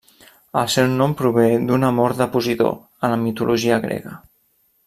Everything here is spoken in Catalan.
El seu nom prové d'un amor de Posidó, a la mitologia grega.